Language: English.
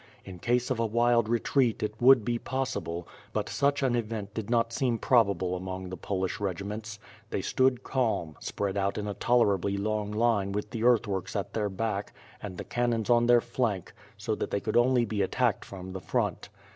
In case of a wild retreat, it would be possible, l)ut such an event did not seem probable among the Polish regiments. They stood calm, spread out in a tolerably long line with the earthworks at their back and the cannons on their flank so that they could be only attacked from the front.